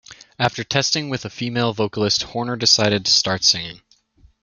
After testing with a female vocalist, Hoerner decided to start singing.